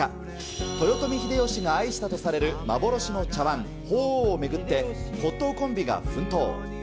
豊臣秀吉が愛したとされる幻の茶わん、鳳凰を巡って、骨董コンビが奮闘。